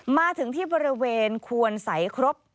มาถึงที่ประเวณควรสายครบ